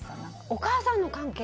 お母さんの関係？